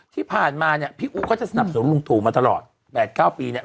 ที่ผ่านมาเนี่ยพี่อู๋ก็จะสนับสนลุงตู่มาตลอด๘๙ปีเนี่ย